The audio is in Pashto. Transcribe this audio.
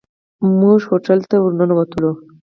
موږ هوټل ته ورننوتلو.